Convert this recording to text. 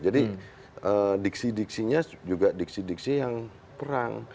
jadi diksi diksinya juga diksi diksi yang perang